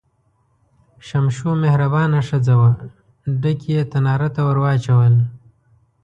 شمشو مهربانه ښځه وه، ډکي یې تنار ته ور واچول.